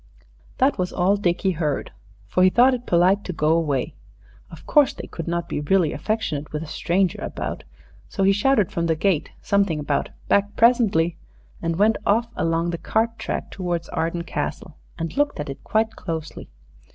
That was all Dickie heard, for he thought it polite to go away. Of course, they could not be really affectionate with a stranger about. So he shouted from the gate something about "back presently," and went off along the cart track towards Arden Castle and looked at it quite closely.